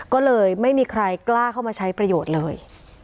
ก็เลยไม่มีใครกล้าเข้ามาใช้ประโยชน์เลย